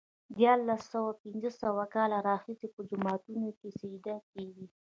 د دیارلس سوه پنځوس کاله راهيسې په جوماتونو کې سجدې کېږي.